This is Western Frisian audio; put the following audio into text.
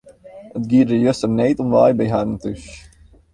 It gie der juster need om wei by harren thús.